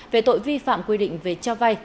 về tội vi phạm quy định về cho vay